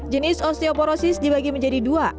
jenis osteoporosis dibagi menjadi dua